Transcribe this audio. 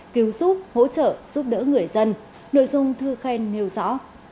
cứu giúp hỗ trợ giúp đỡ người dân nội dung thư khen nêu rõ